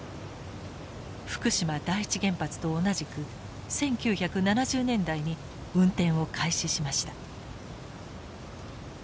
福島第一原発と同じく１９７０年代に運転を開始しました。